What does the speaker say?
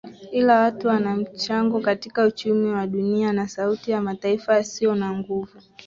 ila watu wanamchango katika uchumi wa dunia na sauti ya mataifa yasio na nguvu